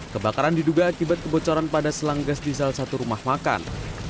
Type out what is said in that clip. kebakaran diduga akibat kebocoran pada selang gas di salah satu rumah makan